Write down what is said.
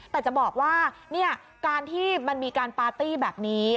แต่จะบอกว่าการที่มันมีการปาร์ตี้แบบนี้